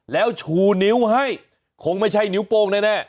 แล้วชูนิ้วให้คงไม่ใช่นิ้วโป้งแน่